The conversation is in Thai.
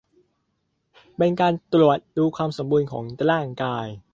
เป็นการตรวจดูความสมบูรณ์ของร่างกาย